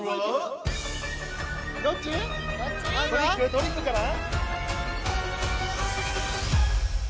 トリックかな？